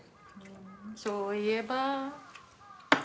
そういえば。